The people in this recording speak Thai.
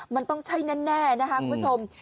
มันต้องใช่แน่นะคะคุณผู้ชม